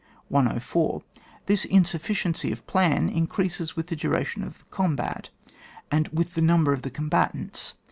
104. This insu£iciency of plan increases with the duration of the combat, and with the number of the combatants.